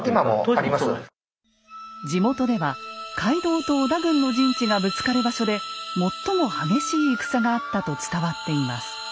地元では街道と織田軍の陣地がぶつかる場所で最も激しい戦があったと伝わっています。